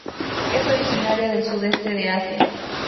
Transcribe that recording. Es originaria del sudeste de Asia.